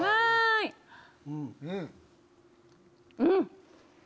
うん！